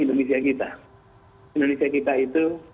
indonesia kita indonesia kita itu